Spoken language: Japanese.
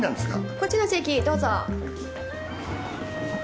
こちらの席どうぞ。